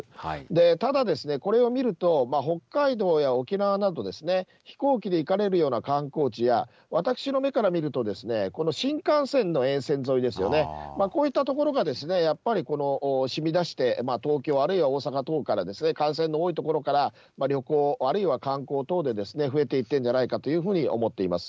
ただ、これを見ると、北海道や沖縄など、飛行機で行かれるような観光地や、私の目から見ると、この新幹線の沿線沿いですよね、こういった所がやっぱりしみだして、東京あるいは大阪等から感染の多い所から旅行、あるいは観光等で増えていってるんじゃないかというふうに思っています。